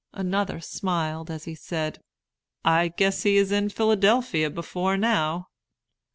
Another smiled as he said, "I guess he is in Philadelphia before now."